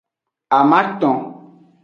Amaton.